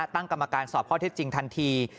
ตั้งกรรมการสอบข้อเท็จจริงทันที